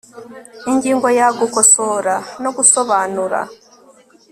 Ingingo ya Gukosora no gusobanura